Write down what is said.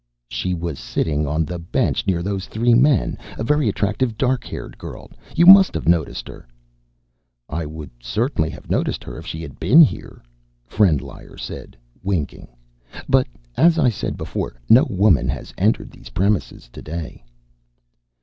"She was sitting on the bench near those three men. A very attractive dark haired girl. You must have noticed her." "I would certainly have noticed her if she had been here," Frendlyer said, winking. "But as I said before, no woman has entered these premises today."